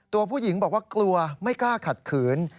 ตัวผู้หญิงบอกว่ากลัวไม่กล้าขัดขืน